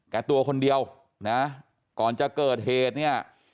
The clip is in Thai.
ตัวคนเดียวนะก่อนจะเกิดเหตุเนี่ย